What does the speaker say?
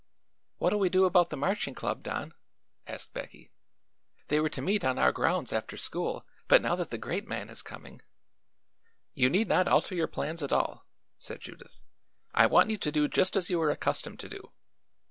"What'll we do about the Marching Club, Don?" asked Becky. "They were to meet on our grounds after school, but now that the Great Man is coming " "You need not alter your plans at all," said Judith. "I want you to do just as you are accustomed to do.